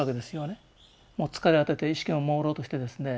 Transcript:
もう疲れ果てて意識ももうろうとしてですね